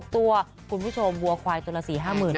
ตัวคุณผู้ชมวัวควายตัวละ๔๕๐๐๐บาท